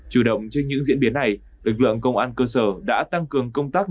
chủ động trên những diễn biến này lực lượng công an cơ sở đã tăng cường công tác